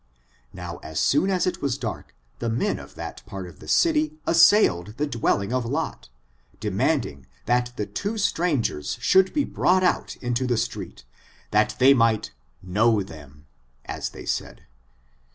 Now as soon as it was dark, the men of diat part of the city assailed the dwdlmg of Lot, demanding that the two strangers should be brought out into the street, that they might ^^kntno them, as they said.